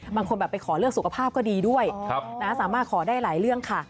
บางคนแบบไปขอเรื่องสุขภาพก็ดีด้วยสามารถขอได้หลายเรื่องค่ะ